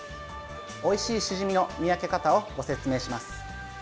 おいしいシジミの見分け方をご説明します。